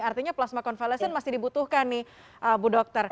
artinya plasma konvalesen masih dibutuhkan nih bu dokter